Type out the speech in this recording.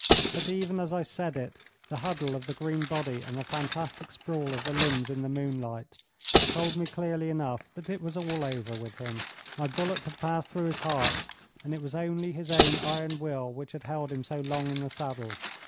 But even as I said, it, the huddle of the green body and the fantastic sprawl of the limbs in the moonlight told me clearly enough that it was all over with him. My bullet had passed through his heart, and it was only his own iron will which had held him so long in the saddle.